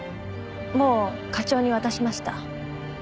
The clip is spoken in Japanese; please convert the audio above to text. もう課長に渡しました。